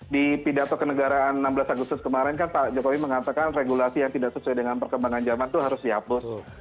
di pidato kenegaraan enam belas agustus kemarin kan pak jokowi mengatakan regulasi yang tidak sesuai dengan perkembangan zaman itu harus dihapus